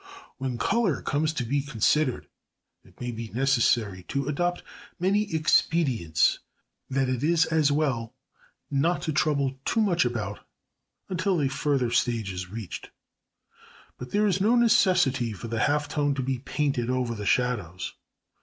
When colour comes to be considered it may be necessary to adopt many expedients that it is as well not to trouble too much about until a further stage is reached. But there is no necessity for the half tone to be painted over the shadows.